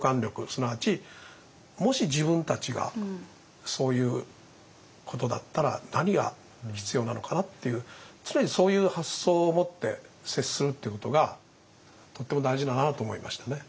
すなわちもし自分たちがそういうことだったら何が必要なのかなっていう常にそういう発想を持って接するっていうことがとっても大事だなと思いましたね。